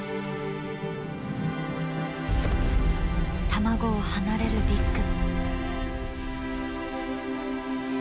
卵を離れるビッグ。